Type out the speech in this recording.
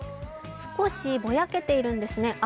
少しぼやけているんですね。